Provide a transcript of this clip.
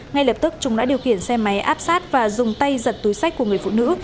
ngay lập tức chúng đã điều khiển xe máy áp sát và dùng tay giật túi sách của người phụ nữ